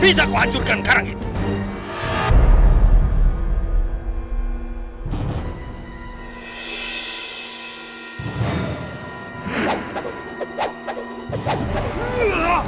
bisa kau hancurkan karang itu